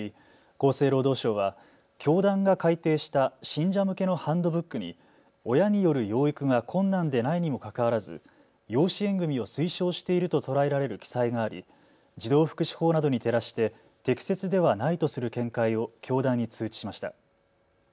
厚生労働省は教団が改訂した信者向けのハンドブックに親による養育が困難でないにもかかわらず養子縁組みを推奨していると捉えられる記載があり児童福祉法などに照らして適切ではないとする見解を教団に通知しました。